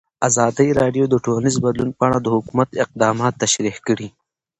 ازادي راډیو د ټولنیز بدلون په اړه د حکومت اقدامات تشریح کړي.